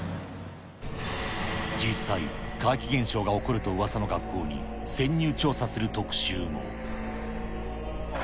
実際、怪奇現象が起こるとうわさの学校に潜入調査する特集も。